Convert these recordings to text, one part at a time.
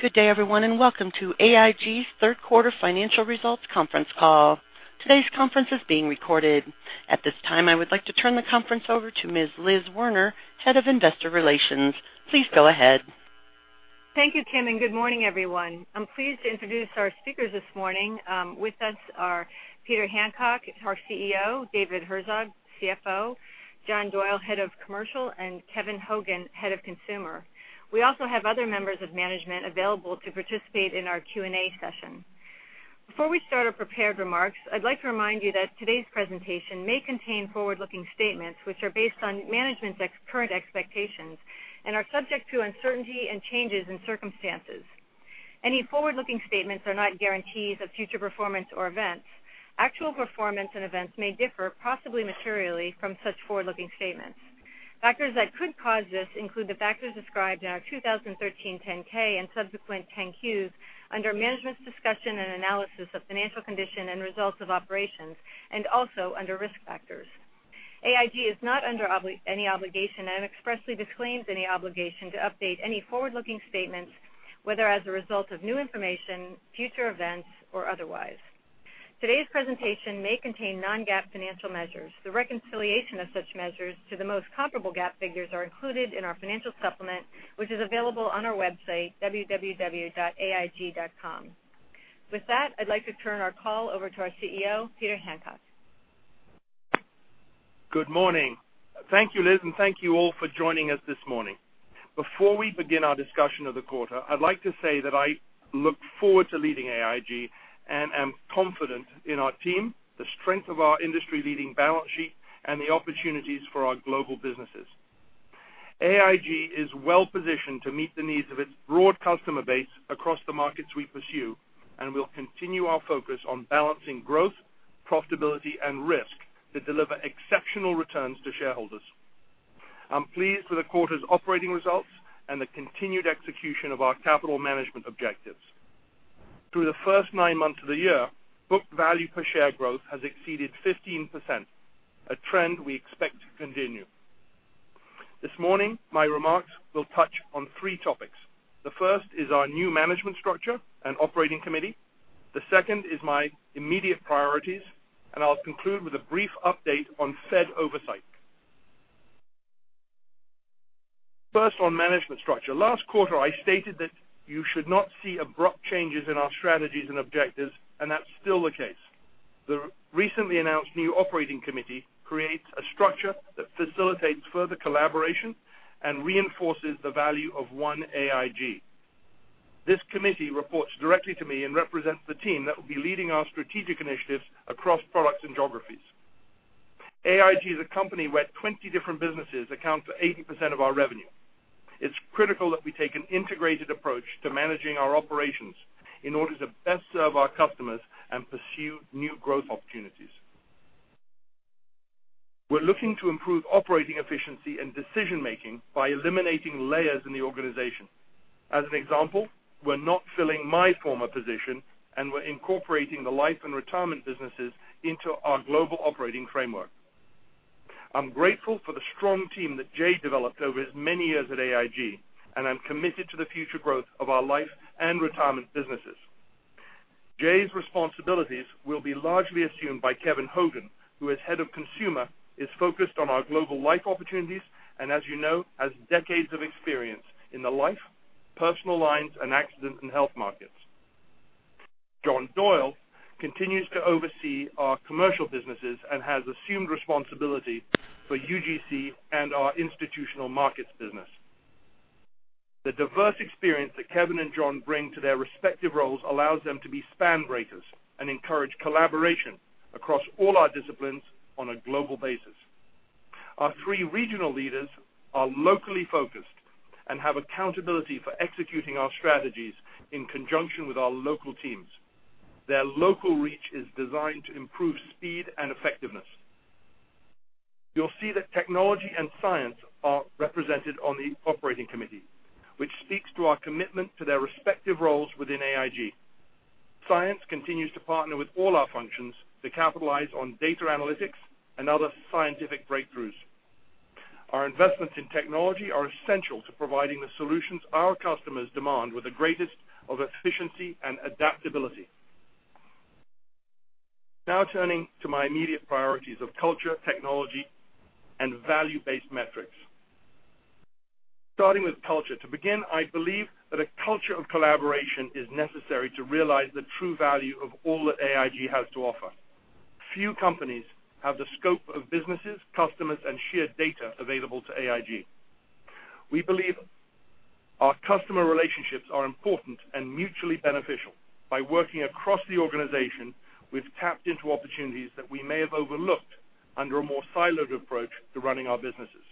Good day everyone, welcome to AIG's third quarter financial results conference call. Today's conference is being recorded. At this time, I would like to turn the conference over to Ms. Liz Werner, Head of Investor Relations. Please go ahead. Thank you, Kim, good morning everyone. I'm pleased to introduce our speakers this morning. With us are Peter Hancock, our CEO, David Herzog, CFO, John Doyle, Head of Commercial, and Kevin Hogan, Head of Consumer. We also have other members of management available to participate in our Q&A session. Before we start our prepared remarks, I'd like to remind you that today's presentation may contain forward-looking statements, which are based on management's current expectations and are subject to uncertainty and changes in circumstances. Any forward-looking statements are not guarantees of future performance or events. Actual performance and events may differ, possibly materially, from such forward-looking statements. Factors that could cause this include the factors described in our 2013 10-K and subsequent 10-Qs under Management's Discussion and Analysis of Financial Condition and Results of Operations, also under Risk Factors. AIG is not under any obligation and expressly disclaims any obligation to update any forward-looking statements, whether as a result of new information, future events, or otherwise. Today's presentation may contain non-GAAP financial measures. The reconciliation of such measures to the most comparable GAAP figures are included in our financial supplement, which is available on our website, www.aig.com. With that, I'd like to turn our call over to our CEO, Peter Hancock. Good morning. Thank you, Liz, thank you all for joining us this morning. Before we begin our discussion of the quarter, I'd like to say that I look forward to leading AIG and am confident in our team, the strength of our industry-leading balance sheet, and the opportunities for our global businesses. AIG is well-positioned to meet the needs of its broad customer base across the markets we pursue, and we'll continue our focus on balancing growth, profitability, and risk to deliver exceptional returns to shareholders. I'm pleased with the quarter's operating results and the continued execution of our capital management objectives. Through the first nine months of the year, book value per share growth has exceeded 15%, a trend we expect to continue. This morning, my remarks will touch on three topics. The first is our new management structure and operating committee. The second is my immediate priorities. I'll conclude with a brief update on Fed oversight. First on management structure. Last quarter, I stated that you should not see abrupt changes in our strategies and objectives. That's still the case. The recently announced new operating committee creates a structure that facilitates further collaboration and reinforces the value of one AIG. This committee reports directly to me and represents the team that will be leading our strategic initiatives across products and geographies. AIG is a company where 20 different businesses account for 80% of our revenue. It's critical that we take an integrated approach to managing our operations in order to best serve our customers and pursue new growth opportunities. We're looking to improve operating efficiency and decision-making by eliminating layers in the organization. As an example, we're not filling my former position. We're incorporating the life and retirement businesses into our global operating framework. I'm grateful for the strong team that Jay developed over his many years at AIG. I'm committed to the future growth of our life and retirement businesses. Jay's responsibilities will be largely assumed by Kevin Hogan, who as Head of Consumer, is focused on our global life opportunities and, as you know, has decades of experience in the life, personal lines, and accident and health markets. John Doyle continues to oversee our commercial businesses and has assumed responsibility for UGC and our institutional markets business. The diverse experience that Kevin and John bring to their respective roles allows them to be span breakers and encourage collaboration across all our disciplines on a global basis. Our three regional leaders are locally focused and have accountability for executing our strategies in conjunction with our local teams. Their local reach is designed to improve speed and effectiveness. You'll see that technology and science are represented on the operating committee, which speaks to our commitment to their respective roles within AIG. Science continues to partner with all our functions to capitalize on data analytics and other scientific breakthroughs. Our investments in technology are essential to providing the solutions our customers demand with the greatest of efficiency and adaptability. Now turning to my immediate priorities of culture, technology, and value-based metrics. Starting with culture. To begin, I believe that a culture of collaboration is necessary to realize the true value of all that AIG has to offer. Few companies have the scope of businesses, customers, and shared data available to AIG. We believe our customer relationships are important and mutually beneficial. By working across the organization, we've tapped into opportunities that we may have overlooked under a more siloed approach to running our businesses.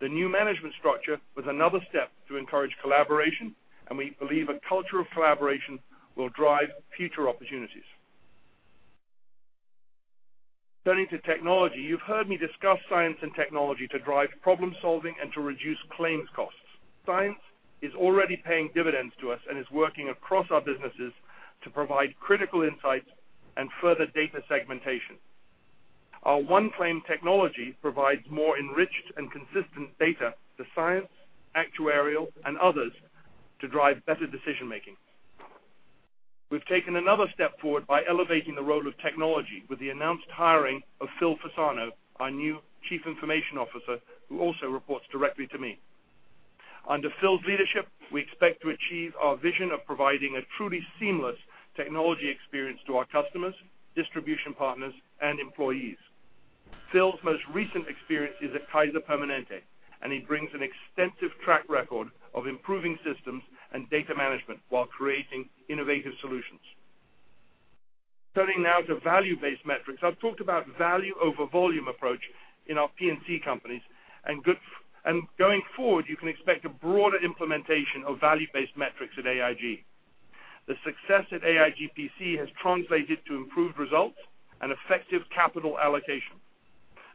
The new management structure was another step to encourage collaboration. We believe a culture of collaboration will drive future opportunities. Turning to technology. You've heard me discuss science and technology to drive problem-solving and to reduce claims costs. Science is already paying dividends to us and is working across our businesses to provide critical insights and further data segmentation. Our one claim technology provides more enriched and consistent data to science, actuarial, and others to drive better decision-making. We've taken another step forward by elevating the role of technology with the announced hiring of Phil Fasano, our new Chief Information Officer, who also reports directly to me. Under Phil's leadership, we expect to achieve our vision of providing a truly seamless technology experience to our customers, distribution partners, and employees. Phil's most recent experience is at Kaiser Permanente, and he brings an extensive track record of improving systems and data management while creating innovative solutions. Turning now to value-based metrics. I've talked about value over volume approach in our P&C companies, and going forward, you can expect a broader implementation of value-based metrics at AIG. The success at AIG PC has translated to improved results and effective capital allocation.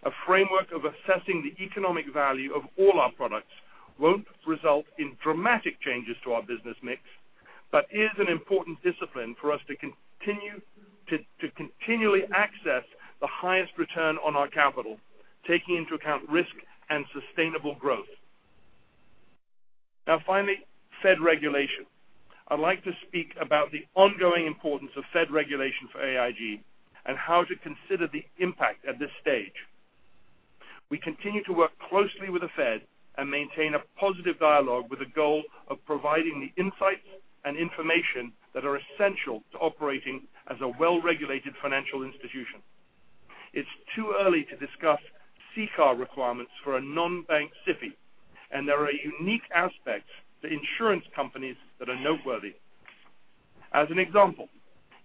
A framework of assessing the economic value of all our products won't result in dramatic changes to our business mix, but is an important discipline for us to continually assess the highest return on our capital, taking into account risk and sustainable growth. Finally, Fed regulation. I'd like to speak about the ongoing importance of Fed regulation for AIG and how to consider the impact at this stage. We continue to work closely with the Fed and maintain a positive dialogue with the goal of providing the insights and information that are essential to operating as a well-regulated financial institution. It's too early to discuss CCAR requirements for a non-bank SIFI, and there are unique aspects to insurance companies that are noteworthy. As an example,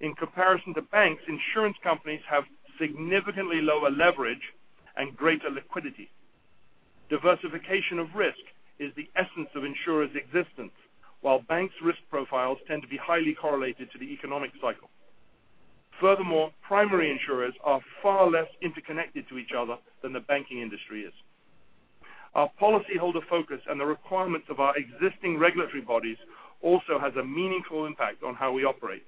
in comparison to banks, insurance companies have significantly lower leverage and greater liquidity. Diversification of risk is the essence of insurers' existence, while banks' risk profiles tend to be highly correlated to the economic cycle. Furthermore, primary insurers are far less interconnected to each other than the banking industry is. Our policyholder focus and the requirements of our existing regulatory bodies also has a meaningful impact on how we operate.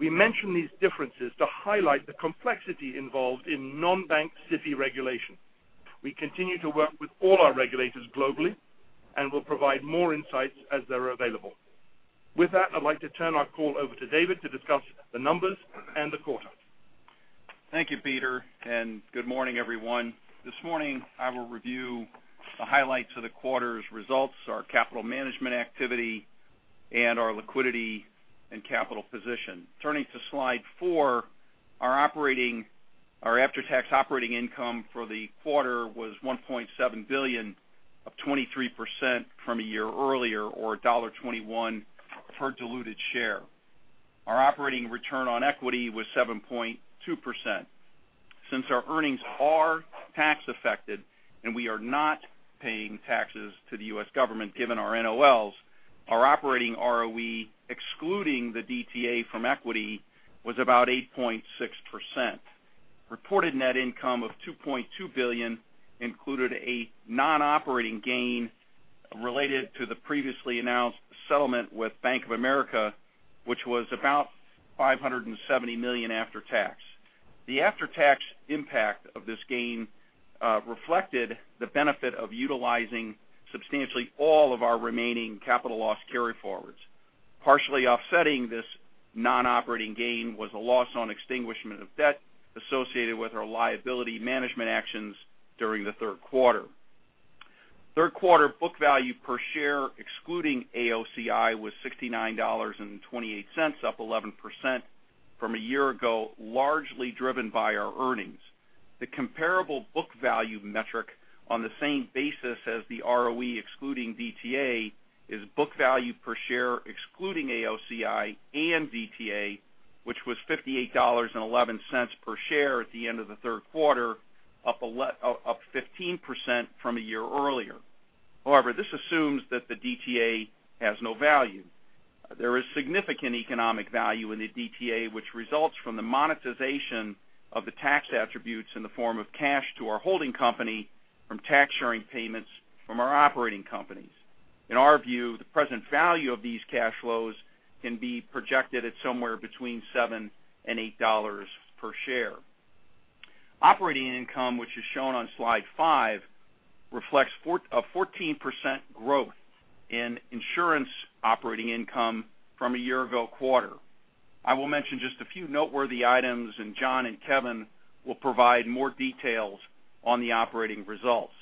We mention these differences to highlight the complexity involved in non-bank SIFI regulation. We continue to work with all our regulators globally and will provide more insights as they're available. With that, I'd like to turn our call over to David to discuss the numbers and the quarter. Thank you, Peter, and good morning, everyone. This morning, I will review the highlights of the quarter's results, our capital management activity, and our liquidity and capital position. Turning to Slide 4, our after-tax operating income for the quarter was $1.7 billion of 23% from a year earlier or $1.21 per diluted share. Our operating return on equity was 7.2%. Since our earnings are tax affected and we are not paying taxes to the U.S. government, given our NOLs, our operating ROE, excluding the DTA from equity, was about 8.6%. Reported net income of $2.2 billion included a non-operating gain related to the previously announced settlement with Bank of America, which was about $570 million after tax. The after-tax impact of this gain reflected the benefit of utilizing substantially all of our remaining capital loss carryforwards. Partially offsetting this non-operating gain was a loss on extinguishment of debt associated with our liability management actions during the third quarter. Third quarter book value per share, excluding AOCI, was $69.28, up 11% from a year ago, largely driven by our earnings. The comparable book value metric on the same basis as the ROE excluding DTA is book value per share excluding AOCI and DTA, which was $58.11 per share at the end of the third quarter, up 15% from a year earlier. This assumes that the DTA has no value. There is significant economic value in the DTA, which results from the monetization of the tax attributes in the form of cash to our holding company from tax sharing payments from our operating companies. In our view, the present value of these cash flows can be projected at somewhere between $7 and $8 per share. Operating income, which is shown on Slide 5, reflects a 14% growth in insurance operating income from a year-ago quarter. I will mention just a few noteworthy items. John and Kevin will provide more details on the operating results.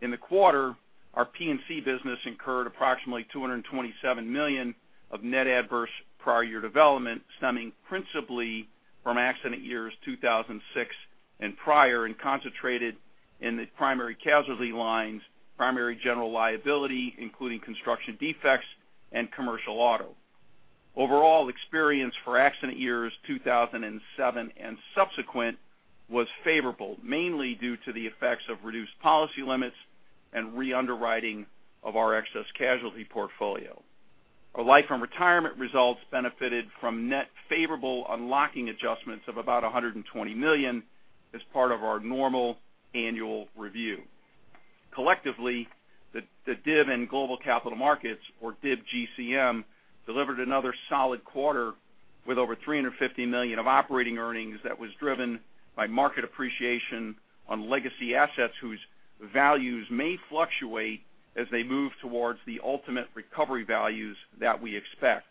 In the quarter, our P&C business incurred approximately $227 million of net adverse prior year development, stemming principally from accident years 2006 and prior, and concentrated in the primary casualty lines, primary general liability, including construction defects and commercial auto. Overall experience for accident years 2007 and subsequent was favorable, mainly due to the effects of reduced policy limits and re-underwriting of our excess casualty portfolio. Our life and retirement results benefited from net favorable unlocking adjustments of about $120 million as part of our normal annual review. Collectively, the DIB and Global Capital Markets, or DIB GCM, delivered another solid quarter with over $350 million of operating earnings that was driven by market appreciation on legacy assets whose values may fluctuate as they move towards the ultimate recovery values that we expect.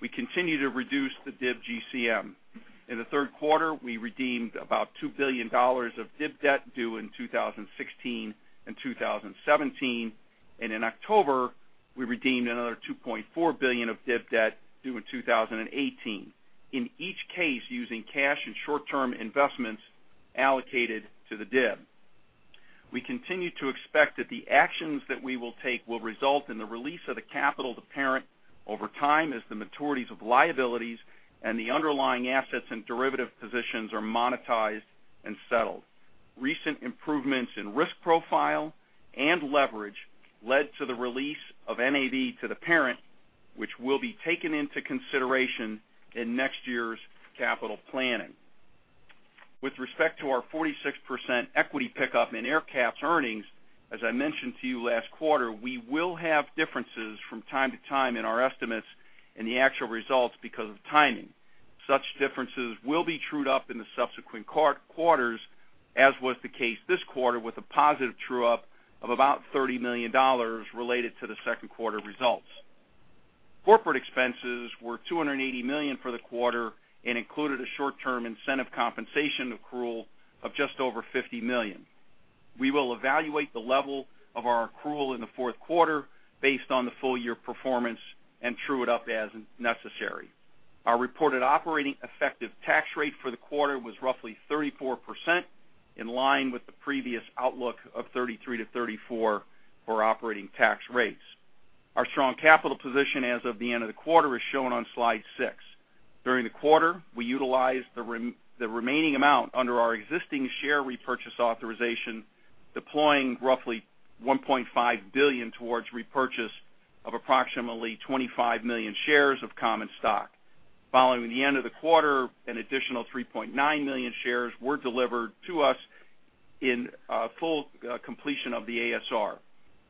We continue to reduce the DIB GCM. In the third quarter, we redeemed about $2 billion of DIB debt due in 2016 and 2017. In October, we redeemed another $2.4 billion of DIB debt due in 2018, in each case, using cash and short-term investments allocated to the DIB. We continue to expect that the actions that we will take will result in the release of the capital to parent over time as the maturities of liabilities and the underlying assets and derivative positions are monetized and settled. Recent improvements in risk profile and leverage led to the release of NAV to the parent, which will be taken into consideration in next year's capital planning. With respect to our 46% equity pickup in AerCap earnings, as I mentioned to you last quarter, we will have differences from time to time in our estimates and the actual results because of timing. Such differences will be trued up in the subsequent quarters, as was the case this quarter, with a positive true-up of about $30 million related to the second quarter results. Corporate expenses were $280 million for the quarter and included a short-term incentive compensation accrual of just over $50 million. We will evaluate the level of our accrual in the fourth quarter based on the full-year performance and true it up as necessary. Our reported operating effective tax rate for the quarter was roughly 34%, in line with the previous outlook of 33%-34% for operating tax rates. Our strong capital position as of the end of the quarter is shown on slide six. During the quarter, we utilized the remaining amount under our existing share repurchase authorization, deploying roughly $1.5 billion towards repurchase of approximately 25 million shares of common stock. Following the end of the quarter, an additional 3.9 million shares were delivered to us in full completion of the ASR,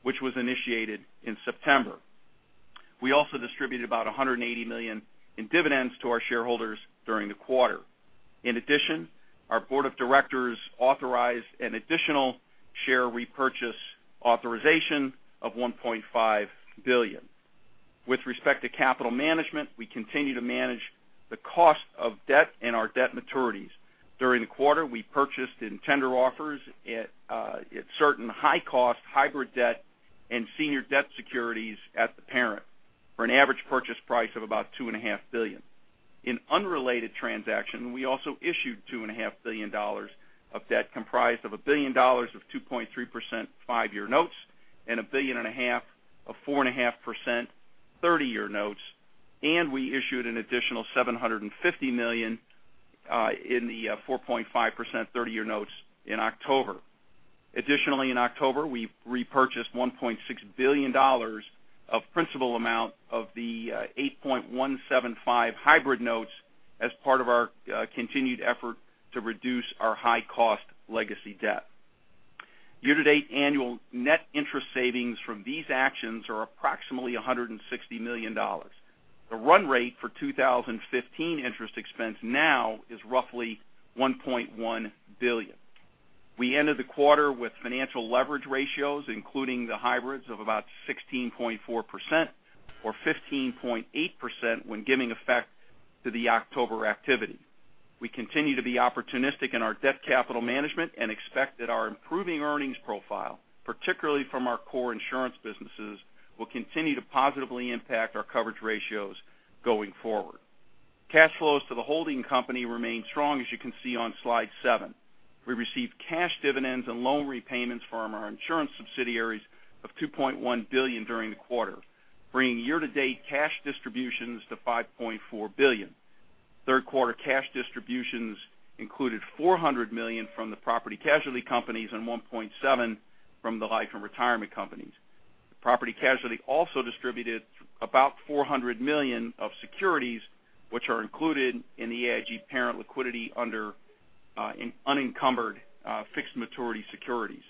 which was initiated in September. We also distributed about $180 million in dividends to our shareholders during the quarter. In addition, our board of directors authorized an additional share repurchase authorization of $1.5 billion. With respect to capital management, we continue to manage the cost of debt and our debt maturities. During the quarter, we purchased in tender offers at certain high-cost hybrid debt and senior debt securities at the parent for an average purchase price of about $2.5 billion. In unrelated transaction, we also issued $2.5 billion of debt, comprised of $1 billion of 2.3% five-year notes and $1.5 billion of 4.5% 30-year notes, and we issued an additional $750 million in the 4.5% 30-year notes in October. Additionally, in October, we repurchased $1.6 billion of principal amount of the 8.175 hybrid notes as part of our continued effort to reduce our high-cost legacy debt. Year-to-date annual net interest savings from these actions are approximately $160 million. The run rate for 2015 interest expense now is roughly $1.1 billion. We ended the quarter with financial leverage ratios, including the hybrids of about 16.4%, or 15.8% when giving effect to the October activity. We continue to be opportunistic in our debt capital management and expect that our improving earnings profile, particularly from our core insurance businesses, will continue to positively impact our coverage ratios going forward. Cash flows to the holding company remain strong, as you can see on slide seven. We received cash dividends and loan repayments from our insurance subsidiaries of $2.1 billion during the quarter, bringing year-to-date cash distributions to $5.4 billion. Third quarter cash distributions included $400 million from the Property Casualty companies and $1.7 billion from the Life and Retirement companies. The Property Casualty also distributed about $400 million of securities, which are included in the AIG parent liquidity under unencumbered fixed maturity securities.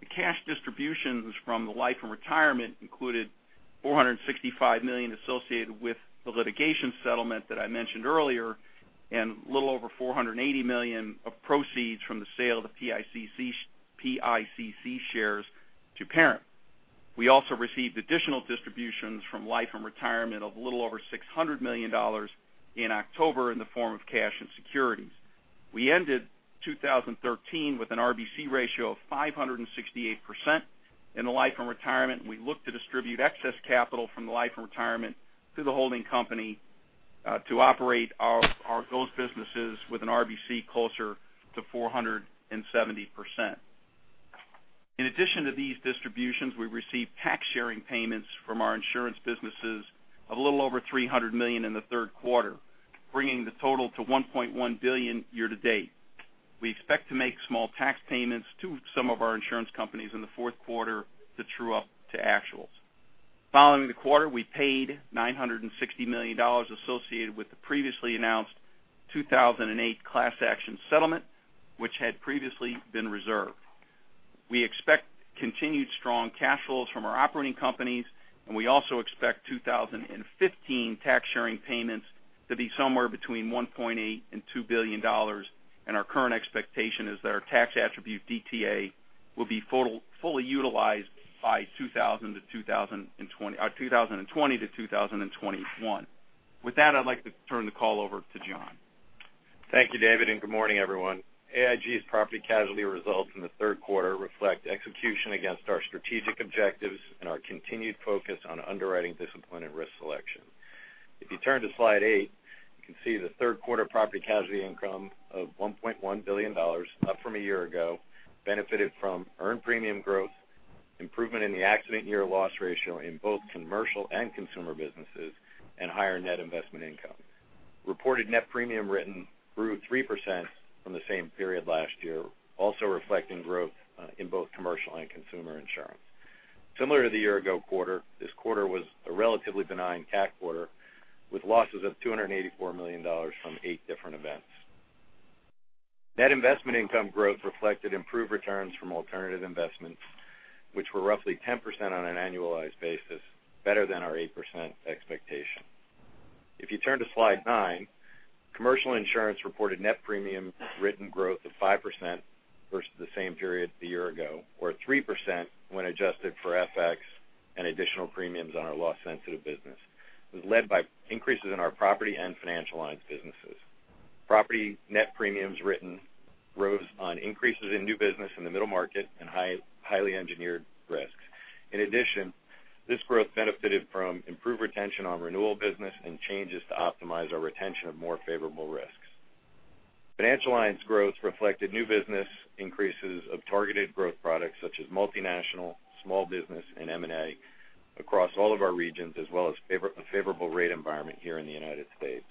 The cash distributions from the Life and Retirement included $465 million associated with the litigation settlement that I mentioned earlier and a little over $480 million of proceeds from the sale of the PICC shares to parent. We also received additional distributions from Life and Retirement of a little over $600 million in October in the form of cash and securities. We ended 2013 with an RBC ratio of 568% in the Life and Retirement, and we look to distribute excess capital from the Life and Retirement to the holding company to operate those businesses with an RBC closer to 470%. In addition to these distributions, we received tax sharing payments from our insurance businesses of a little over $300 million in the third quarter, bringing the total to $1.1 billion year-to-date. We expect to make small tax payments to some of our insurance companies in the fourth quarter to true up to actuals. Following the quarter, we paid $960 million associated with the previously announced 2008 class action settlement, which had previously been reserved. We expect continued strong cash flows from our operating companies, and we also expect 2015 tax sharing payments to be somewhere between $1.8 billion and $2 billion, and our current expectation is that our tax attribute DTA will be fully utilized by 2020 to 2021. With that, I'd like to turn the call over to John. Thank you, David. Good morning, everyone. AIG's property casualty results in the third quarter reflect execution against our strategic objectives and our continued focus on underwriting discipline and risk selection. If you turn to slide eight, you can see the third quarter property casualty income of $1.1 billion, up from a year ago, benefited from earned premium growth, improvement in the accident year loss ratio in both commercial and consumer businesses, and higher net investment income. Reported net premium written grew 3% from the same period last year, also reflecting growth in both commercial and consumer insurance. Similar to the year ago quarter, this quarter was a relatively benign cat quarter, with losses of $284 million from eight different events. Net investment income growth reflected improved returns from alternative investments, which were roughly 10% on an annualized basis, better than our 8% expectation. If you turn to slide nine, commercial insurance reported net premium written growth of 5% versus the same period a year ago, or 3% when adjusted for FX and additional premiums on our loss-sensitive business. It was led by increases in our property and financial lines businesses. Property net premiums written rose on increases in new business in the middle market and highly engineered risks. In addition, this growth benefited from improved retention on renewal business and changes to optimize our retention of more favorable risks. Financial lines growth reflected new business increases of targeted growth products such as multinational, small business, and M&A across all of our regions, as well as a favorable rate environment here in the United States.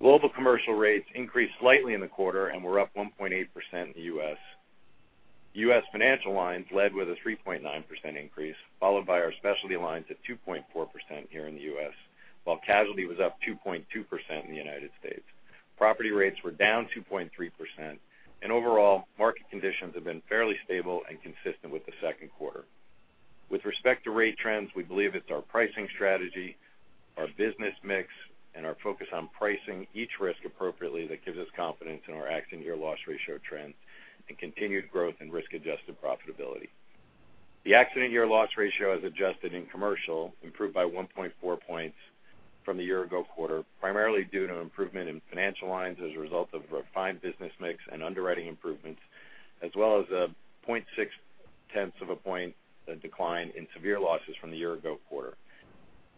Global commercial rates increased slightly in the quarter and were up 1.8% in the U.S. U.S. financial lines led with a 3.9% increase, followed by our specialty lines at 2.4% here in the U.S., while casualty was up 2.2% in the United States. Property rates were down 2.3%. Overall, market conditions have been fairly stable and consistent with the second quarter. With respect to rate trends, we believe it's our pricing strategy, our business mix, and our focus on pricing each risk appropriately that gives us confidence in our accident year loss ratio trends and continued growth in risk-adjusted profitability. The accident year loss ratio as adjusted in commercial improved by 1.4 points from the year ago quarter, primarily due to an improvement in financial lines as a result of a refined business mix and underwriting improvements, as well as a 0.6 point decline in severe losses from the year ago quarter.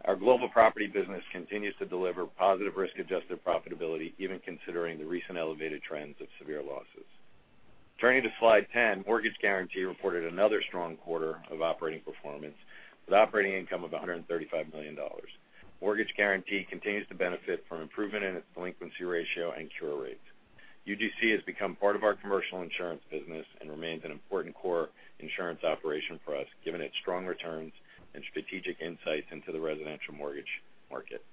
Our global property business continues to deliver positive risk-adjusted profitability, even considering the recent elevated trends of severe losses. Turning to slide 10, Mortgage Guaranty reported another strong quarter of operating performance with operating income of $135 million. Mortgage Guaranty continues to benefit from improvement in its delinquency ratio and cure rates. UGC has become part of our commercial insurance business and remains an important core insurance operation for us, given its strong returns and strategic insights into the residential mortgage market.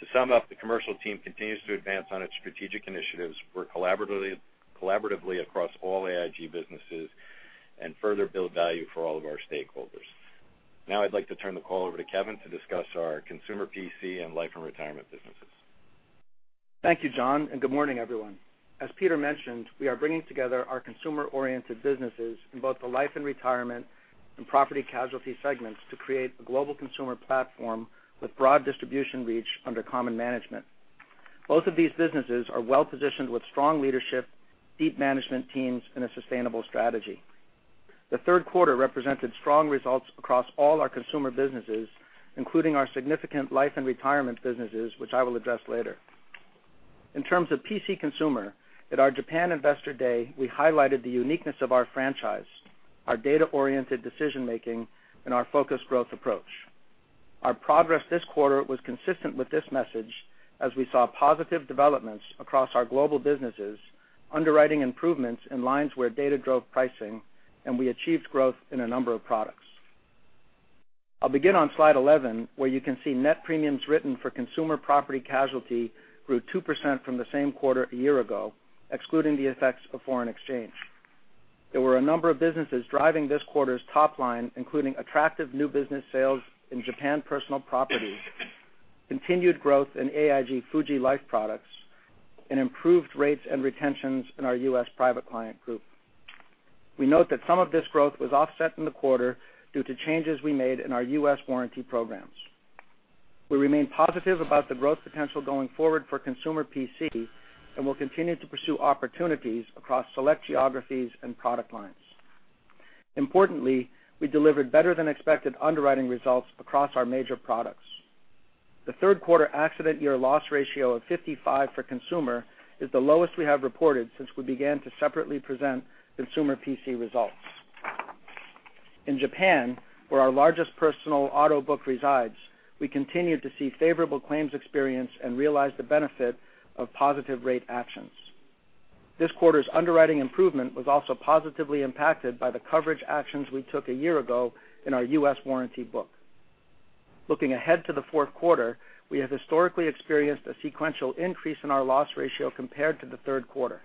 To sum up, the commercial team continues to advance on its strategic initiatives, work collaboratively across all AIG businesses, and further build value for all of our stakeholders. Now I'd like to turn the call over to Kevin to discuss our consumer P&C and life and retirement businesses. Thank you, John, and good morning, everyone. As Peter mentioned, we are bringing together our consumer-oriented businesses in both the life and retirement and property casualty segments to create a global consumer platform with broad distribution reach under common management. Both of these businesses are well-positioned with strong leadership, deep management teams, and a sustainable strategy. The third quarter represented strong results across all our consumer businesses, including our significant life and retirement businesses, which I will address later. In terms of P&C consumer, at our Japan Investor Day, we highlighted the uniqueness of our franchise, our data-oriented decision making, and our focused growth approach. Our progress this quarter was consistent with this message as we saw positive developments across our global businesses, underwriting improvements in lines where data drove pricing, and we achieved growth in a number of products. I'll begin on slide 11, where you can see net premiums written for consumer property casualty grew 2% from the same quarter a year ago, excluding the effects of foreign exchange. There were a number of businesses driving this quarter's top line, including attractive new business sales in Japan personal property, continued growth in AIG Fuji Life products, and improved rates and retentions in our U.S. Private Client Group. We note that some of this growth was offset in the quarter due to changes we made in our U.S. warranty programs. We remain positive about the growth potential going forward for consumer P&C and will continue to pursue opportunities across select geographies and product lines. Importantly, we delivered better than expected underwriting results across our major products. The third quarter accident year loss ratio of 55 for consumer is the lowest we have reported since we began to separately present consumer P&C results. In Japan, where our largest personal auto book resides, we continued to see favorable claims experience and realize the benefit of positive rate actions. This quarter's underwriting improvement was also positively impacted by the coverage actions we took a year ago in our U.S. warranty book. Looking ahead to the fourth quarter, we have historically experienced a sequential increase in our loss ratio compared to the third quarter.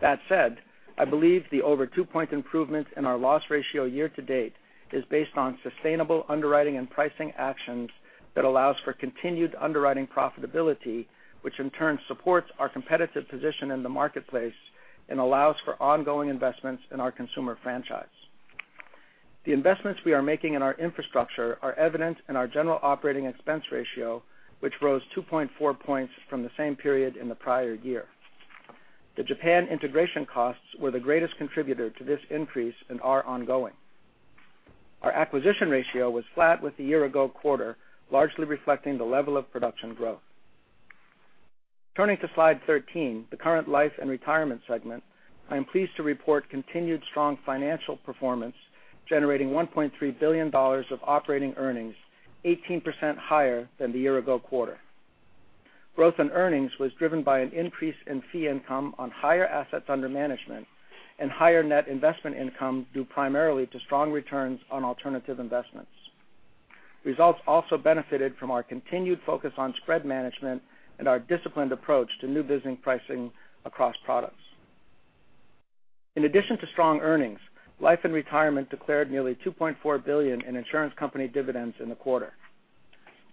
That said, I believe the over two-point improvement in our loss ratio year-to-date is based on sustainable underwriting and pricing actions that allows for continued underwriting profitability, which in turn supports our competitive position in the marketplace and allows for ongoing investments in our consumer franchise. The investments we are making in our infrastructure are evident in our general operating expense ratio, which rose 2.4 points from the same period in the prior year. The Japan integration costs were the greatest contributor to this increase and are ongoing. Our acquisition ratio was flat with the year-ago quarter, largely reflecting the level of production growth. Turning to slide 13, the current life and retirement segment, I am pleased to report continued strong financial performance, generating $1.3 billion of operating earnings, 18% higher than the year-ago quarter. Growth in earnings was driven by an increase in fee income on higher assets under management and higher net investment income, due primarily to strong returns on alternative investments. Results also benefited from our continued focus on spread management and our disciplined approach to new business pricing across products. In addition to strong earnings, life and retirement declared nearly $2.4 billion in insurance company dividends in the quarter.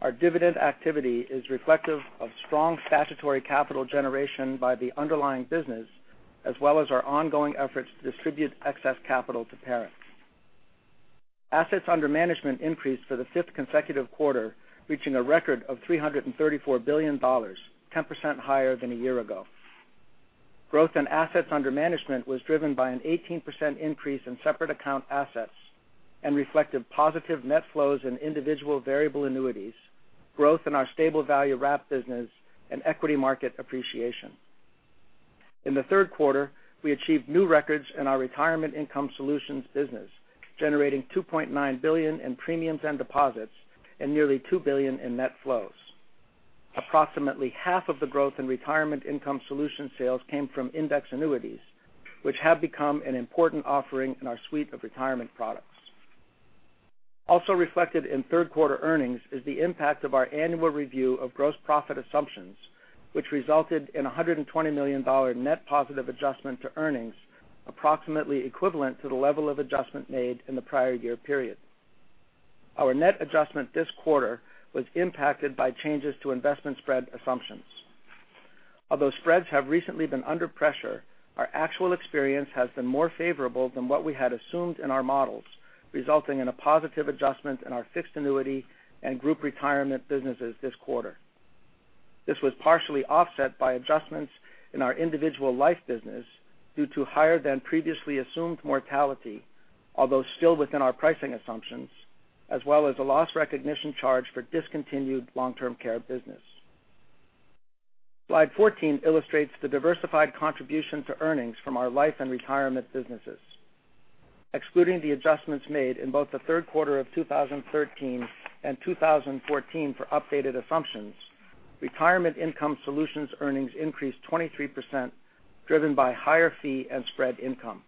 Our dividend activity is reflective of strong statutory capital generation by the underlying business, as well as our ongoing efforts to distribute excess capital to parents. Assets under management increased for the fifth consecutive quarter, reaching a record of $334 billion, 10% higher than a year ago. Growth in assets under management was driven by an 18% increase in separate account assets, and reflected positive net flows in individual variable annuities, growth in our stable value wrap business, and equity market appreciation. In the third quarter, we achieved new records in our Retirement Income Solutions business, generating $2.9 billion in premiums and deposits and nearly $2 billion in net flows. Approximately half of the growth in retirement income solution sales came from index annuities, which have become an important offering in our suite of retirement products. Also reflected in third-quarter earnings is the impact of our annual review of gross profit assumptions, which resulted in $120 million net positive adjustment to earnings, approximately equivalent to the level of adjustment made in the prior year period. Our net adjustment this quarter was impacted by changes to investment spread assumptions. Although spreads have recently been under pressure, our actual experience has been more favorable than what we had assumed in our models, resulting in a positive adjustment in our fixed annuity and Group Retirement businesses this quarter. This was partially offset by adjustments in our individual life business due to higher than previously assumed mortality, although still within our pricing assumptions, as well as a loss recognition charge for discontinued long-term care business. Slide 14 illustrates the diversified contribution to earnings from our life and retirement businesses. Excluding the adjustments made in both the third quarter of 2013 and 2014 for updated assumptions, retirement income solutions earnings increased 23%, driven by higher fee and spread income.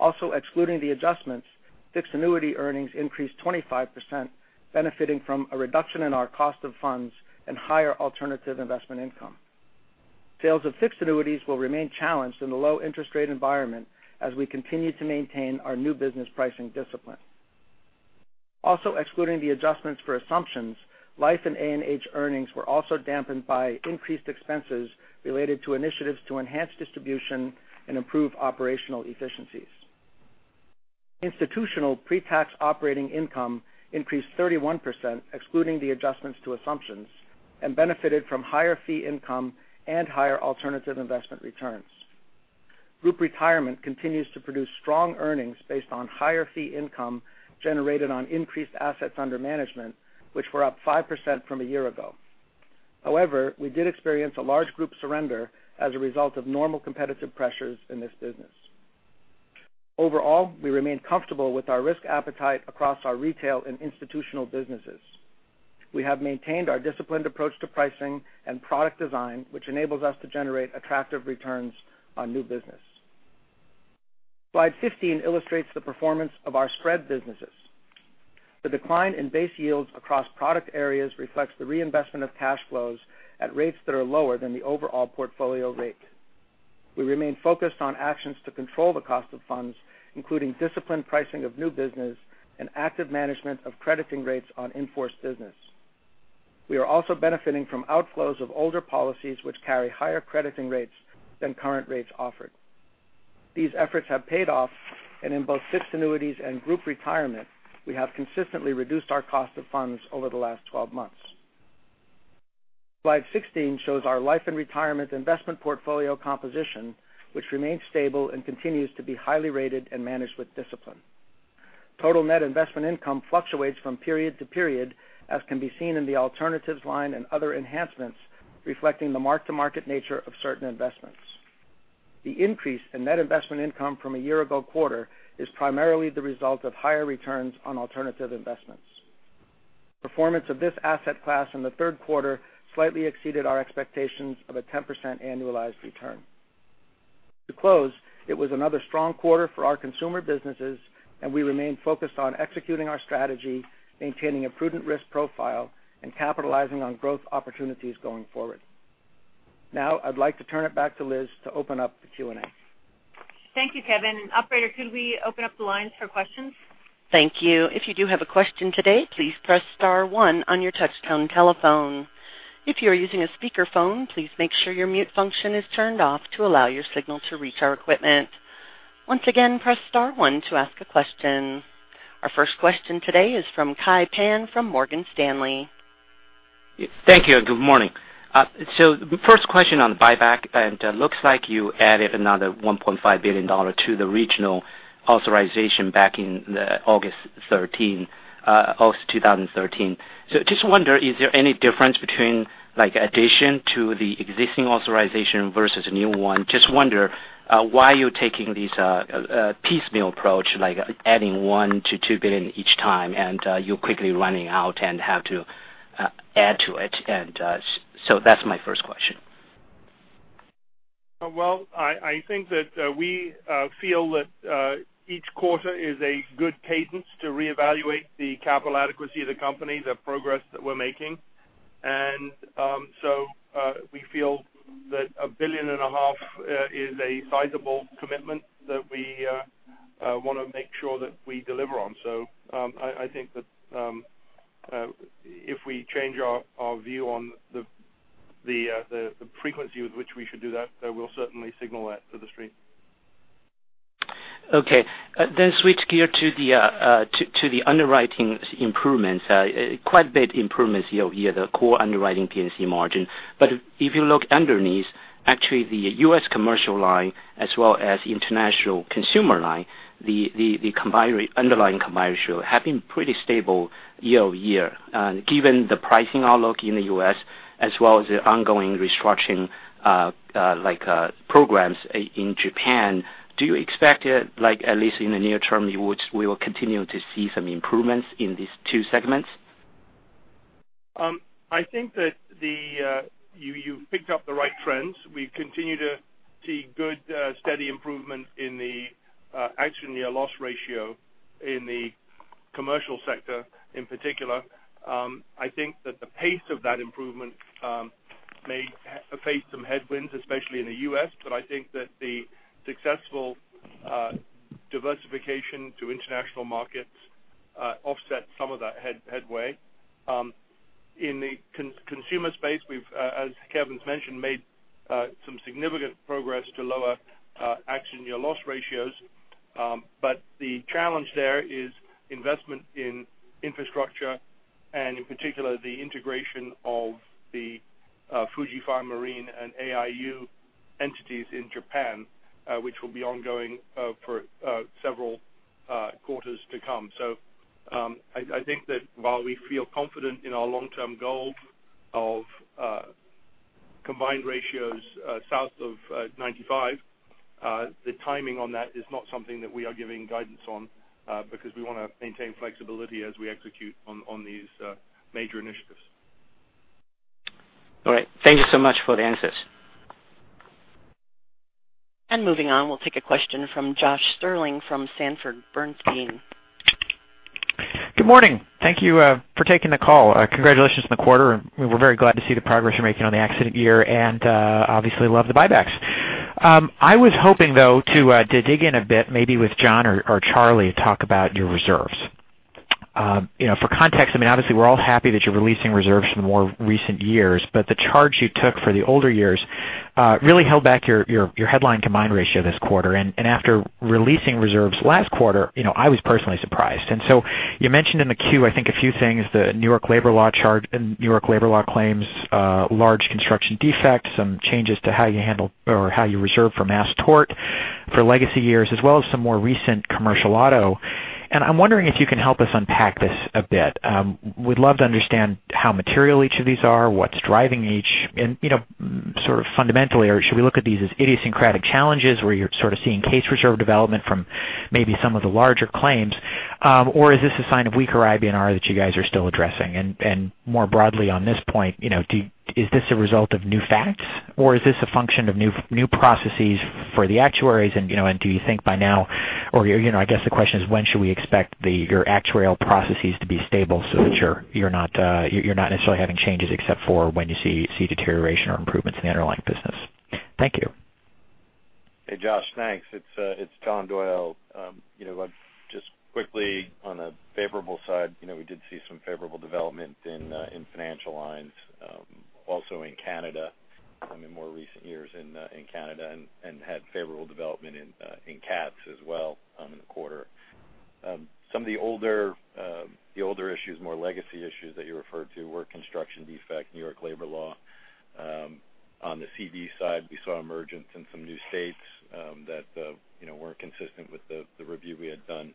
Also excluding the adjustments, fixed annuity earnings increased 25%, benefiting from a reduction in our cost of funds and higher alternative investment income. Sales of fixed annuities will remain challenged in the low interest rate environment as we continue to maintain our new business pricing discipline. Also excluding the adjustments for assumptions, life and A&H earnings were also dampened by increased expenses related to initiatives to enhance distribution and improve operational efficiencies. Institutional pre-tax operating income increased 31%, excluding the adjustments to assumptions, and benefited from higher fee income and higher alternative investment returns. Group retirement continues to produce strong earnings based on higher fee income generated on increased assets under management, which were up 5% from a year ago. We did experience a large group surrender as a result of normal competitive pressures in this business. Overall, we remain comfortable with our risk appetite across our retail and institutional businesses. We have maintained our disciplined approach to pricing and product design, which enables us to generate attractive returns on new business. Slide 15 illustrates the performance of our spread businesses. The decline in base yields across product areas reflects the reinvestment of cash flows at rates that are lower than the overall portfolio rate. We remain focused on actions to control the cost of funds, including disciplined pricing of new business and active management of crediting rates on in-force business. We are also benefiting from outflows of older policies which carry higher crediting rates than current rates offered. These efforts have paid off, and in both fixed annuities and group retirement, we have consistently reduced our cost of funds over the last 12 months. Slide 16 shows our life and retirement investment portfolio composition, which remains stable and continues to be highly rated and managed with discipline. Total net investment income fluctuates from period to period, as can be seen in the alternatives line and other enhancements, reflecting the mark-to-market nature of certain investments. The increase in net investment income from a year ago quarter is primarily the result of higher returns on alternative investments. Performance of this asset class in the third quarter slightly exceeded our expectations of a 10% annualized return. To close, it was another strong quarter for our consumer businesses, and we remain focused on executing our strategy, maintaining a prudent risk profile, and capitalizing on growth opportunities going forward. Now, I'd like to turn it back to Liz to open up the Q&A. Thank you, Kevin. Operator, could we open up the lines for questions? Thank you. If you do have a question today, please press star one on your touchtone telephone. If you are using a speakerphone, please make sure your mute function is turned off to allow your signal to reach our equipment. Once again, press star one to ask a question. Our first question today is from Kai Pan from Morgan Stanley. Thank you. Good morning. The first question on the buyback. Looks like you added another $1.5 billion to the regional authorization back in August 2013. Just wonder, is there any difference between addition to the existing authorization versus a new one? Just wonder why you're taking this piecemeal approach, like adding $1 billion-$2 billion each time. You're quickly running out and have to add to it. That's my first question. I think that we feel that each quarter is a good cadence to reevaluate the capital adequacy of the company, the progress that we're making. We feel that a billion and a half is a sizable commitment that we want to make sure that we deliver on. I think that if we change our view on the frequency with which we should do that, we'll certainly signal that to the street. Switch gear to the underwriting improvements. Quite big improvements year-over-year, the core underwriting P&C margin. If you look underneath, actually the U.S. commercial line as well as international consumer line, the underlying combined ratio have been pretty stable year-over-year. Given the pricing outlook in the U.S. as well as the ongoing restructuring programs in Japan, do you expect, at least in the near term, we will continue to see some improvements in these two segments? I think that you've picked up the right trends. We continue to see good steady improvement in the accident year loss ratio in the commercial sector in particular. I think that the pace of that improvement may face some headwinds, especially in the U.S., but I think that the successful diversification to international markets offsets some of that headwind. In the consumer space, we've, as Kevin's mentioned, made some significant progress to lower accident year loss ratios. The challenge there is investment in infrastructure, and in particular, the integration of the Fuji Fire and Marine and AIU entities in Japan, which will be ongoing for several quarters to come. I think that while we feel confident in our long-term goal of combined ratios south of 95, the timing on that is not something that we are giving guidance on because we want to maintain flexibility as we execute on these major initiatives. All right. Thank you so much for the answers. Moving on, we'll take a question from Josh Stirling from Sanford Bernstein. Good morning. Thank you for taking the call. Congratulations on the quarter. We're very glad to see the progress you're making on the accident year and obviously love the buybacks. I was hoping, though, to dig in a bit, maybe with John or Charlie, talk about your reserves. For context, obviously we're all happy that you're releasing reserves from the more recent years, but the charge you took for the older years really held back your headline combined ratio this quarter. After releasing reserves last quarter, I was personally surprised. So you mentioned in the 10-Q, I think a few things, the New York Labor Law charge and New York Labor Law claims, large construction defects, some changes to how you handle or how you reserve for mass tort for legacy years, as well as some more recent commercial auto. I'm wondering if you can help us unpack this a bit. Would love to understand how material each of these are, what's driving each, and sort of fundamentally, or should we look at these as idiosyncratic challenges where you're sort of seeing case reserve development from maybe some of the larger claims? Or is this a sign of weaker IBNR that you guys are still addressing? More broadly on this point, is this a result of new facts, or is this a function of new processes for the actuaries? Do you think by now, or I guess the question is when should we expect your actuarial processes to be stable so that you're not necessarily having changes except for when you see deterioration or improvements in the underlying business? Thank you. Hey, Josh. Thanks. It's John Doyle. Just quickly, on the favorable side, we did see some favorable development in financial lines, also in Canada, in the more recent years in Canada, and had favorable development in cats as well in the quarter. Some of the older issues, more legacy issues that you referred to were construction defect, New York Labor Law. On the CD side, we saw emergence in some new states that weren't consistent with the review we had done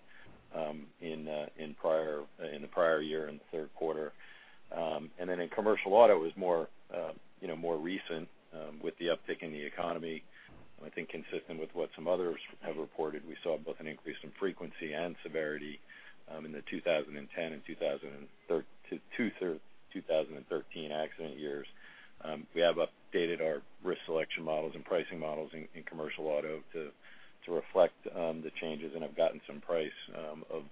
in the prior year, in the third quarter. Then in commercial auto, it was more recent with the uptick in the economy. I think consistent with what some others have reported, we saw both an increase in frequency and severity in the 2010 and 2013 accident years. We have updated our risk selection models and pricing models in commercial auto to reflect the changes and have gotten some price of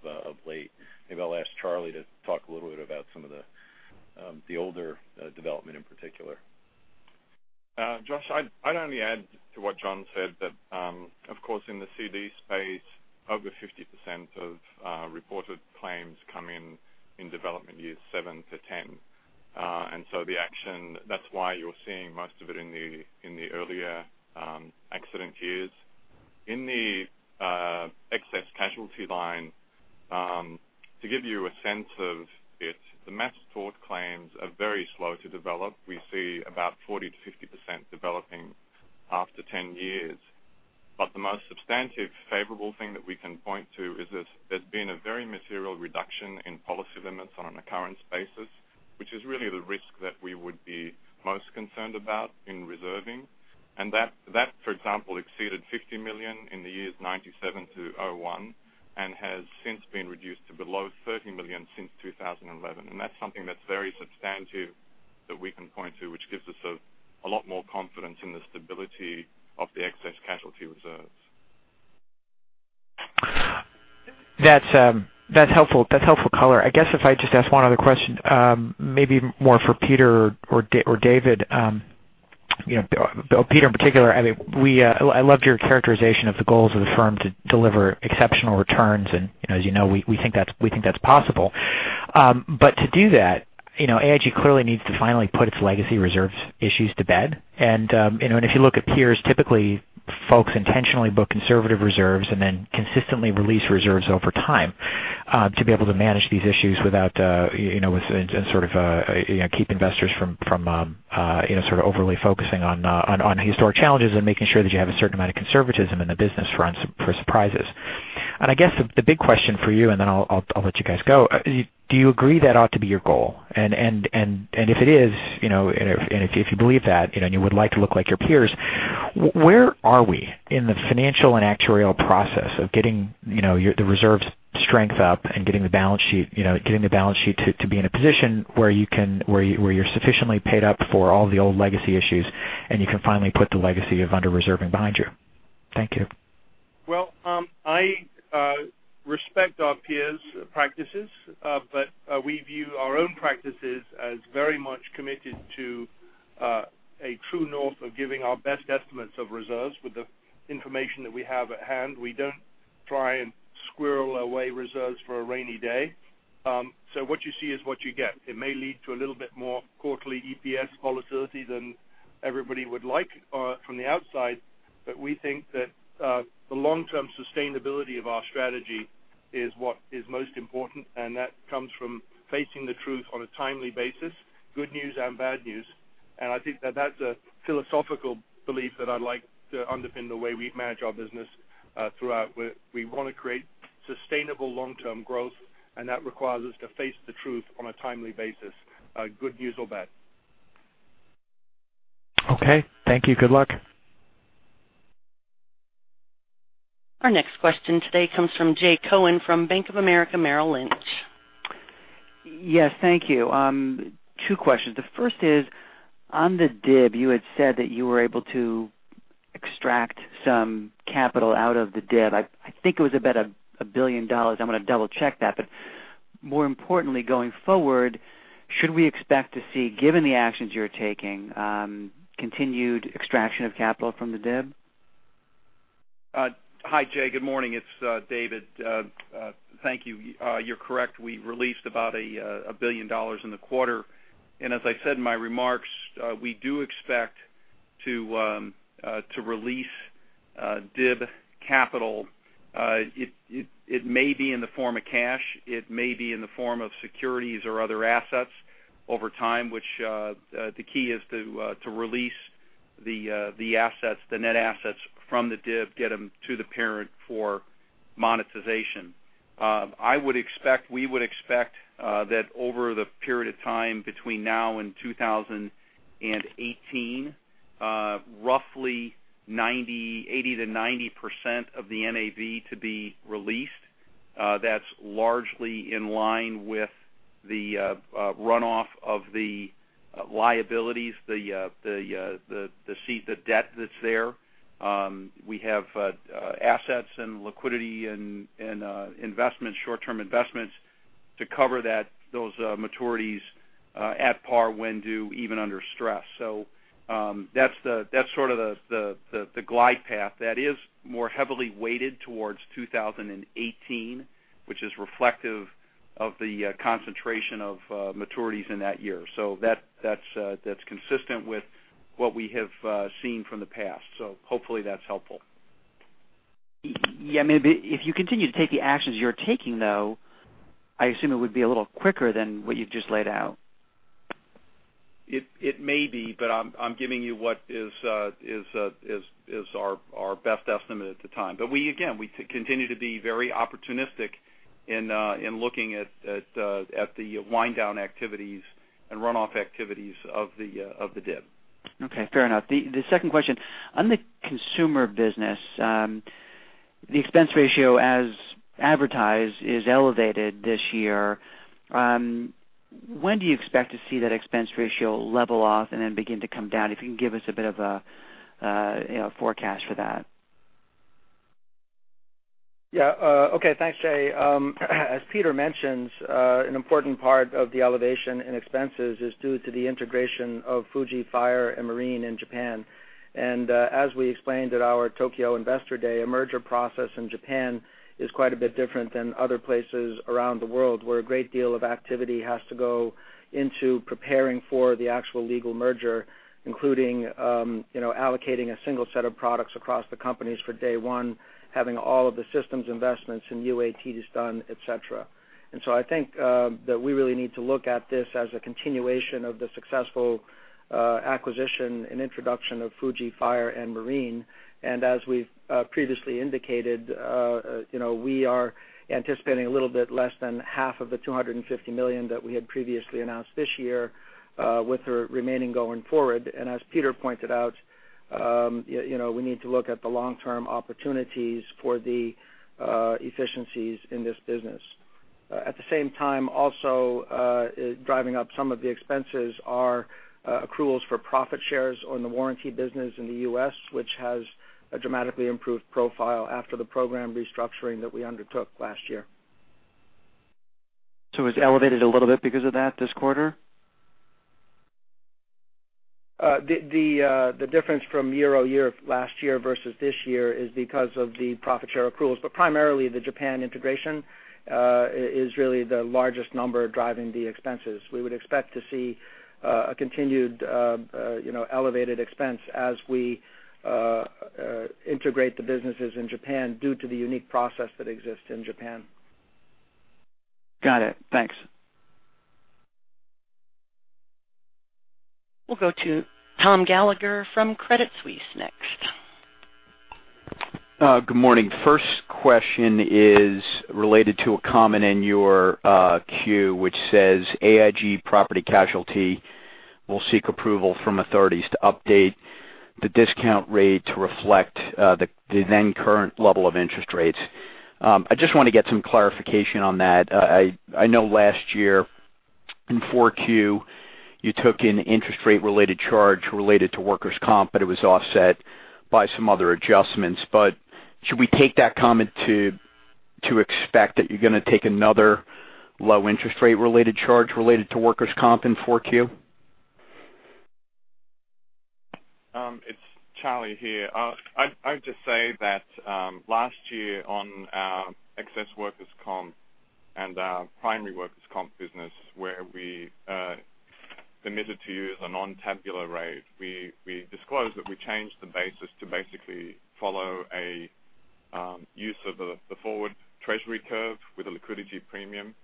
late. Maybe I'll ask Charlie to talk a little bit about some of the older development in particular. Josh, I'd only add to what John said that, of course, in the CD space, over 50% of reported claims come in development years seven to 10. So the action, that's why you're seeing most of it in the earlier accident years. In the excess casualty line, to give you a sense of it, the mass tort claims are very slow to develop. We see about 40%-50% developing after 10 years. The most substantive favorable thing that we can point to is that there's been a very material reduction in policy limits on an occurrence basis, which is really the risk that we would be most concerned about in reserving. That, for example, exceeded $50 million in the years 1997 to 2001, and has since been reduced to below $30 million since 2011. That's something that's very substantive that we can point to, which gives us a lot more confidence in the stability of the excess casualty reserves. That's helpful color. I guess if I just ask one other question, maybe more for Peter or David. Peter, in particular, I loved your characterization of the goals of the firm to deliver exceptional returns, and as you know, we think that's possible. To do that, AIG clearly needs to finally put its legacy reserves issues to bed. If you look at peers, typically folks intentionally book conservative reserves and then consistently release reserves over time to be able to manage these issues and sort of keep investors from overly focusing on historic challenges and making sure that you have a certain amount of conservatism in the business for surprises. I guess the big question for you, and then I'll let you guys go, do you agree that ought to be your goal? If it is, and if you believe that, and if you would like to look like your peers, where are we in the financial and actuarial process of getting the reserves strength up and getting the balance sheet to be in a position where you're sufficiently paid up for all the old legacy issues and you can finally put the legacy of under-reserving behind you? Thank you. Well, I respect our peers' practices, but we view our own practices as very much committed to a true north of giving our best estimates of reserves with the information that we have at hand. We don't try and squirrel away reserves for a rainy day. What you see is what you get. It may lead to a little bit more quarterly EPS volatility than everybody would like from the outside, but we think that the long-term sustainability of our strategy is what is most important, and that comes from facing the truth on a timely basis, good news and bad news. I think that that's a philosophical belief that I like to underpin the way we manage our business throughout. We want to create sustainable long-term growth, and that requires us to face the truth on a timely basis, good news or bad. Okay. Thank you. Good luck. Our next question today comes from Jay Cohen from Bank of America Merrill Lynch. Yes, thank you. Two questions. The first is on the DIB, you had said that you were able to extract some capital out of the DIB. I think it was about $1 billion. I'm going to double check that. More importantly, going forward, should we expect to see, given the actions you're taking, continued extraction of capital from the DIB? Hi, Jay. Good morning. It's David. Thank you. You're correct. We released about $1 billion in the quarter. As I said in my remarks, we do expect to release DIB capital. It may be in the form of cash, it may be in the form of securities or other assets over time, which the key is to release the net assets from the DIB, get them to the parent for monetization. We would expect that over the period of time between now and 2018, roughly 80%-90% of the NAV to be released. That's largely in line with the runoff of the liabilities, the senior debt that's there. We have assets and liquidity and short-term investments to cover those maturities at par when due, even under stress. That's sort of the glide path that is more heavily weighted towards 2018, which is reflective of the concentration of maturities in that year. That's consistent with what we have seen from the past. Hopefully that's helpful. Yeah. Maybe if you continue to take the actions you're taking, though, I assume it would be a little quicker than what you've just laid out. It may be, but I'm giving you what is our best estimate at the time. Again, we continue to be very opportunistic in looking at the wind down activities and runoff activities of the DIB. Okay. Fair enough. The second question. On the consumer business, the expense ratio as advertised is elevated this year. When do you expect to see that expense ratio level off and then begin to come down? If you can give us a bit of a forecast for that. Yeah. Okay. Thanks, Jay. As Peter mentioned, an important part of the elevation in expenses is due to the integration of Fuji Fire and Marine in Japan. As we explained at our Tokyo Investor Day, a merger process in Japan is quite a bit different than other places around the world, where a great deal of activity has to go into preparing for the actual legal merger, including allocating a single set of products across the companies for day one, having all of the systems investments and UATs done, et cetera. So I think that we really need to look at this as a continuation of the successful acquisition and introduction of Fuji Fire and Marine. As we've previously indicated, we are anticipating a little bit less than half of the $250 million that we had previously announced this year, with the remaining going forward. As Peter pointed out, we need to look at the long-term opportunities for the efficiencies in this business. At the same time, also, driving up some of the expenses are accruals for profit shares on the warranty business in the U.S., which has a dramatically improved profile after the program restructuring that we undertook last year. It's elevated a little bit because of that this quarter? The difference from year-over-year of last year versus this year is because of the profit share accruals. Primarily, the Japan integration is really the largest number driving the expenses. We would expect to see a continued elevated expense as we integrate the businesses in Japan due to the unique process that exists in Japan. Got it. Thanks. We'll go to Thomas Gallagher from Credit Suisse next. Good morning. First question is related to a comment in your queue, which says AIG Property Casualty will seek approval from authorities to update the discount rate to reflect the then current level of interest rates. I just want to get some clarification on that. I know last year in 4Q, you took an interest rate related charge related to workers' comp, but it was offset by some other adjustments. Should we take that comment to expect that you're going to take another low interest rate related charge related to workers' comp in 4Q? It's Charlie here. I'd just say that last year on our excess workers' comp and our primary workers' comp business where we admitted to use a nontabular rate, we disclosed that we changed the basis to basically follow a use of the forward Treasury curve with a liquidity premium.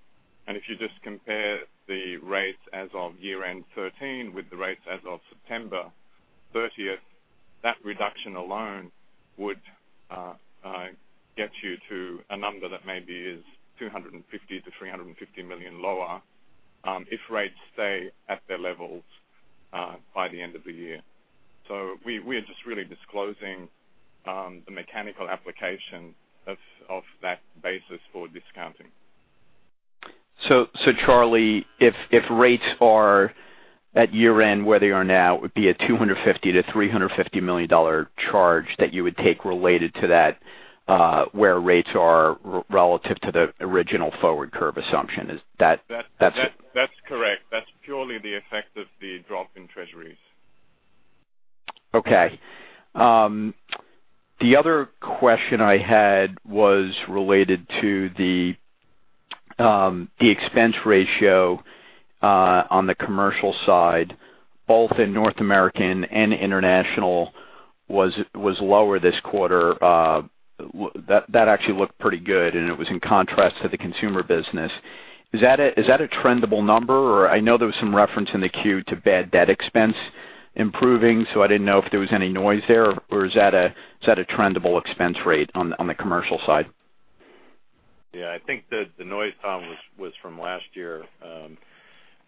If you just compare the rates as of year-end 2013 with the rates as of September 30th, that reduction alone would get you to a number that maybe is $250 million-$350 million lower if rates stay at their levels by the end of the year. We are just really disclosing the mechanical application of that basis for discounting. Charlie, if rates are at year end where they are now, it would be a $250 million-$350 million charge that you would take related to that where rates are relative to the original forward curve assumption. Is that? That's correct. That's purely the effect of the drop in Treasuries. Okay. The other question I had was related to the expense ratio on the commercial side, both in North America and international was lower this quarter. That actually looked pretty good, and it was in contrast to the consumer business. Is that a trendable number, or I know there was some reference in the 10-Q to bad debt expense improving, so I didn't know if there was any noise there, or is that a trendable expense rate on the commercial side? Yeah, I think the noise, Tom, was from last year.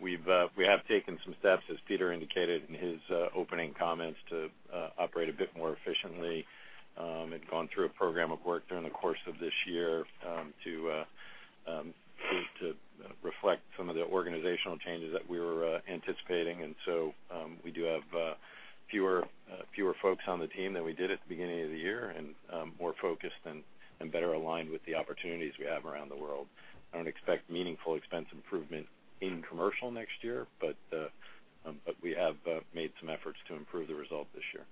We have taken some steps, as Peter indicated in his opening comments, to operate a bit more efficiently. We've gone through a program of work during the course of this year to reflect some of the organizational changes that we were anticipating. We do have fewer folks on the team than we did at the beginning of the year and more focused and better aligned with the opportunities we have around the world. I don't expect meaningful expense improvement in commercial next year, but we have made some efforts to improve the result this year.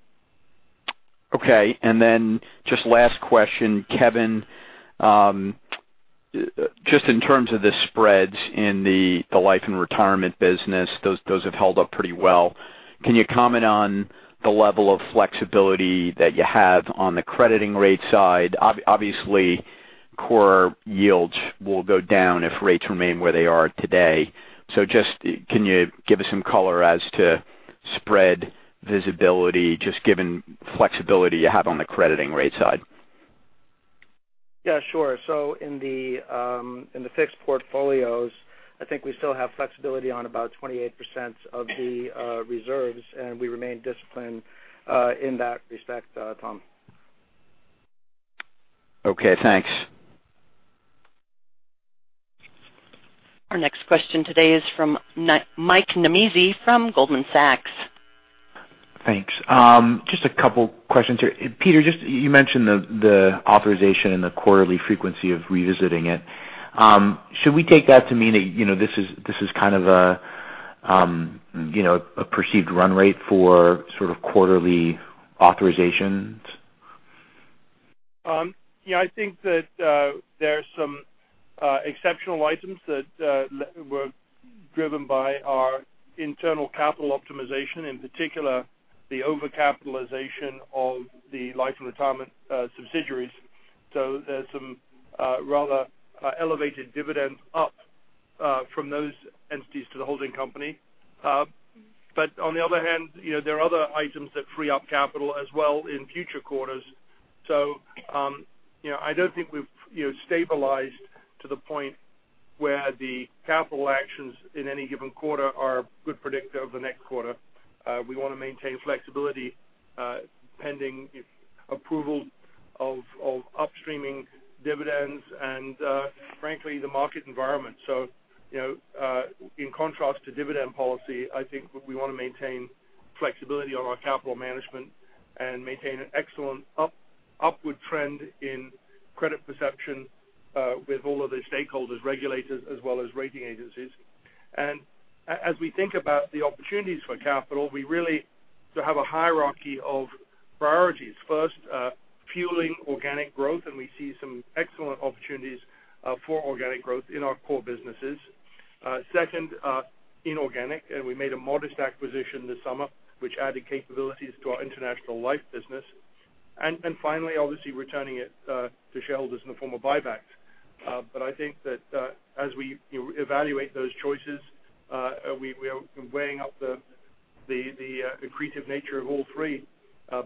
Okay. Just last question, Kevin, just in terms of the spreads in the life and retirement business, those have held up pretty well. Can you comment on the level of flexibility that you have on the crediting rate side? Obviously, core yields will go down if rates remain where they are today. Can you give us some color as to spread visibility, just given flexibility you have on the crediting rate side? Yeah, sure. In the fixed portfolios, I think we still have flexibility on about 28% of the reserves, and we remain disciplined in that respect, Tom. Okay, thanks. Our next question today is from Michael Nannizzi from Goldman Sachs. Thanks. Just a couple questions here. Peter, you mentioned the authorization and the quarterly frequency of revisiting it. Should we take that to mean that this is a perceived run rate for sort of quarterly authorizations? I think that there's some exceptional items that were driven by our internal capital optimization, in particular, the over-capitalization of the Life and Retirement subsidiaries. There's some rather elevated dividends up from those entities to the holding company. On the other hand, there are other items that free up capital as well in future quarters. I don't think we've stabilized to the point where the capital actions in any given quarter are a good predictor of the next quarter. We want to maintain flexibility pending approval of upstreaming dividends and, frankly, the market environment. In contrast to dividend policy, I think we want to maintain flexibility on our capital management and maintain an excellent upward trend in credit perception with all of the stakeholders, regulators, as well as rating agencies. As we think about the opportunities for capital, we really have a hierarchy of priorities. First, fueling organic growth. We see some excellent opportunities for organic growth in our core businesses. Second, inorganic. We made a modest acquisition this summer, which added capabilities to our international life business. Finally, obviously, returning it to shareholders in the form of buybacks. I think that as we evaluate those choices, we are weighing up the accretive nature of all three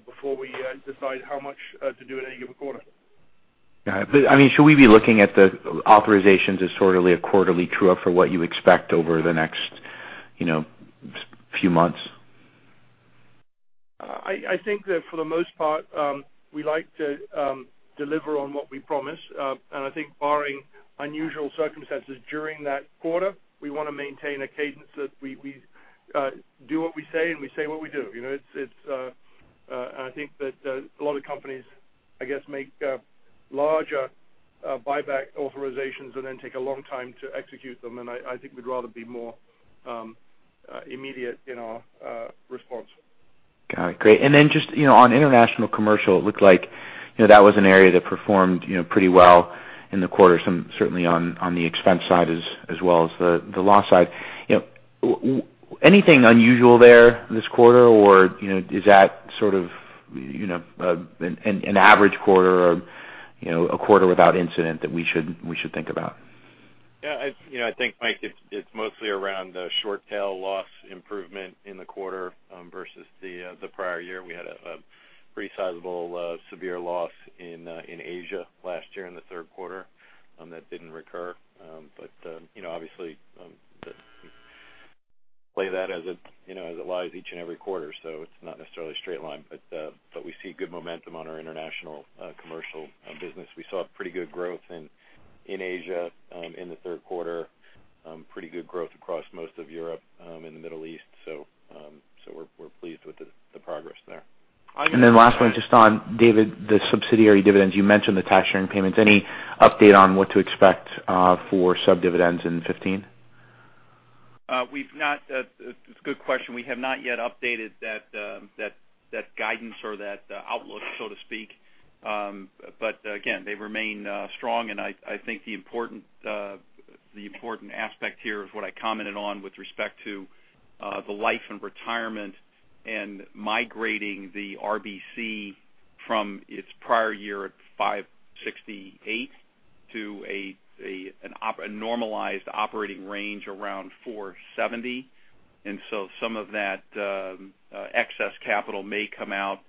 before we decide how much to do in any given quarter. Got it. Should we be looking at the authorizations as sort of a quarterly true-up for what you expect over the next few months? I think that for the most part, we like to deliver on what we promise. I think barring unusual circumstances during that quarter, we want to maintain a cadence that we do what we say and we say what we do. I think that a lot of companies, I guess, make larger buyback authorizations and then take a long time to execute them. I think we'd rather be more immediate in our response. Got it. Great. Then just on international commercial, it looked like that was an area that performed pretty well in the quarter, certainly on the expense side as well as the loss side. Anything unusual there this quarter or is that sort of an average quarter or a quarter without incident that we should think about? I think, Mike, it's mostly around the short tail loss improvement in the quarter versus the prior year. We had a pretty sizable severe loss in Asia last year in the third quarter that didn't recur. Obviously, we play that as it lies each and every quarter, so it's not necessarily a straight line. We see good momentum on our international commercial business. We saw pretty good growth in Asia in the third quarter, pretty good growth across most of Europe and the Middle East. We're pleased with the progress there. Last one, just on, David, the subsidiary dividends. You mentioned the tax sharing payments. Any update on what to expect for sub-dividends in 2015? It's a good question. We have not yet updated that guidance or that outlook, so to speak. Again, they remain strong and I think the important aspect here is what I commented on with respect to the life and retirement and migrating the RBC from its prior year at 568 to a normalized operating range around 470. Some of that excess capital may come out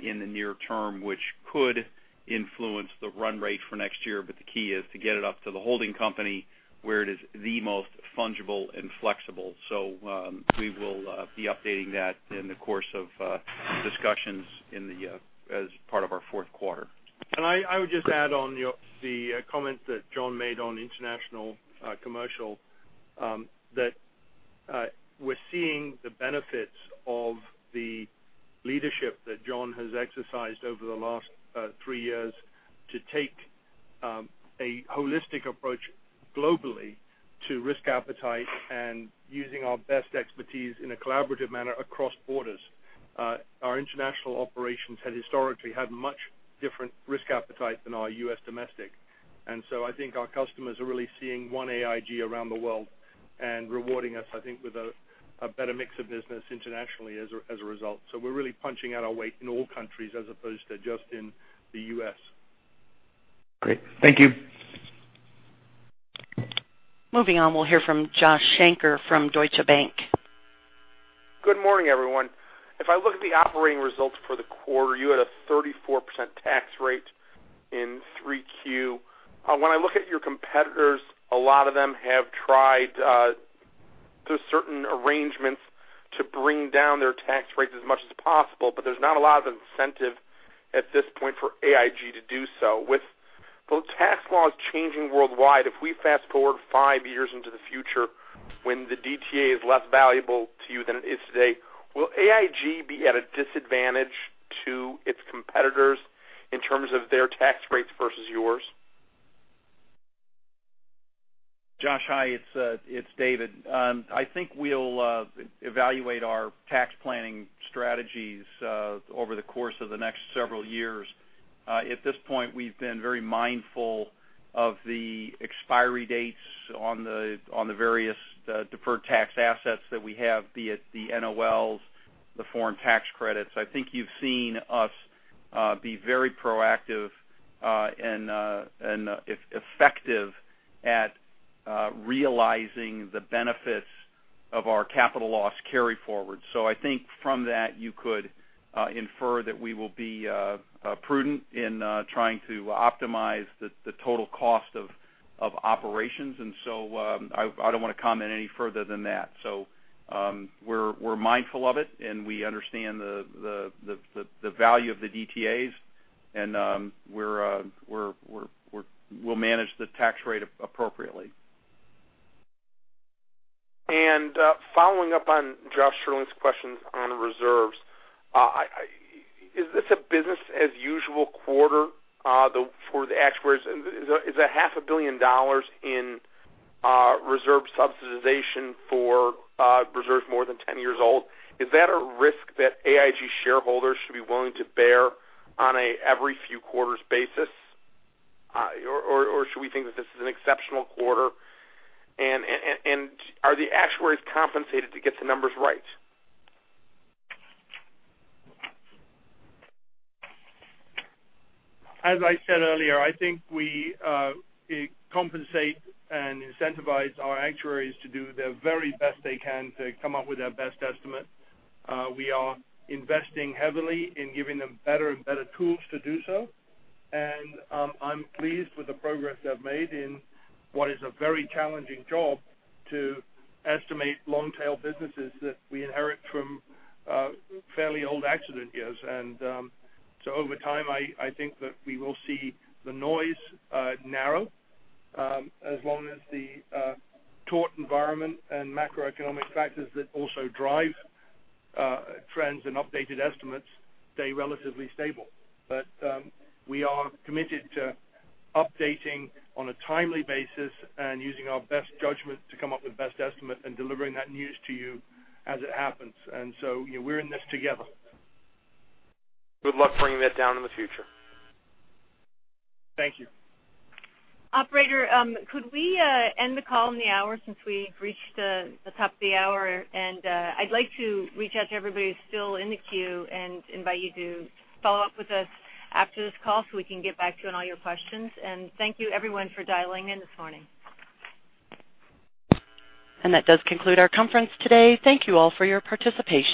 in the near term, which could influence the run rate for next year. The key is to get it up to the holding company where it is the most fungible and flexible. We will be updating that in the course of discussions as part of our fourth quarter. I would just add on the comment that John made on international commercial, that we're seeing the benefits of the leadership that John has exercised over the last three years to take a holistic approach globally to risk appetite and using our best expertise in a collaborative manner across borders. Our international operations had historically had much different risk appetite than our U.S. domestic. I think our customers are really seeing one AIG around the world and rewarding us, I think, with a better mix of business internationally as a result. We're really punching out our weight in all countries as opposed to just in the U.S. Great. Thank you. Moving on, we'll hear from Josh Shanker from Deutsche Bank. Good morning, everyone. If I look at the operating results for the quarter, you had a 34% tax rate in Q3. When I look at your competitors, a lot of them have tried through certain arrangements to bring down their tax rates as much as possible, but there's not a lot of incentive at this point for AIG to do so. With both tax laws changing worldwide, if we fast-forward five years into the future when the DTA is less valuable to you than it is today, will AIG be at a disadvantage to its competitors in terms of their tax rates versus yours? Josh, hi. It's David. I think we'll evaluate our tax planning strategies over the course of the next several years. At this point, we've been very mindful of the expiry dates on the various deferred tax assets that we have, be it the NOLs, the foreign tax credits. I think you've seen us be very proactive and effective at realizing the benefits of our capital loss carry-forward. I think from that you could infer that we will be prudent in trying to optimize the total cost of operations. I don't want to comment any further than that. We're mindful of it, and we understand the value of the DTAs, and we'll manage the tax rate appropriately. Following up on Josh Shanker's questions on reserves, is this a business as usual quarter for the actuaries? Is a half a billion dollars in reserve strengthening for reserves more than 10 years old, is that a risk that AIG shareholders should be willing to bear on an every few quarters basis? Should we think that this is an exceptional quarter? Are the actuaries compensated to get the numbers right? As I said earlier, I think we compensate and incentivize our actuaries to do the very best they can to come up with their best estimate. We are investing heavily in giving them better and better tools to do so. I'm pleased with the progress they've made in what is a very challenging job to estimate long-tail businesses that we inherit from fairly old accident years. Over time, I think that we will see the noise narrow as long as the tort environment and macroeconomic factors that also drive trends and updated estimates stay relatively stable. We are committed to updating on a timely basis and using our best judgment to come up with best estimate and delivering that news to you as it happens. We're in this together. Good luck bringing that down in the future. Thank you. Operator, could we end the call in the hour since we've reached the top of the hour? I'd like to reach out to everybody who's still in the queue and invite you to follow up with us after this call so we can get back to you on all your questions. Thank you everyone for dialing in this morning. That does conclude our conference today. Thank you all for your participation.